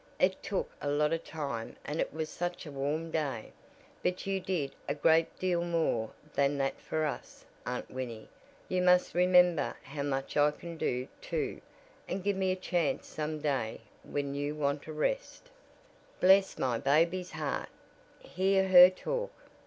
"It took a lot of time and it was such a warm day. But you did a great deal more than that for us, Aunt Winnie, you must remember how much I can do, too, and give me a chance some day, when you want a rest." "Bless the baby's heart! Hear her talk!"